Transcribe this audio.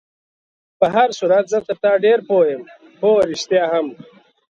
په هر صورت زه تر تا ډېر پوه یم، هو، رښتیا هم.